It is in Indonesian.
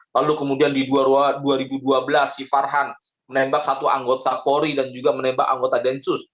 lalu kemudian di dua ribu dua belas si farhan menembak satu anggota polri dan juga menembak anggota densus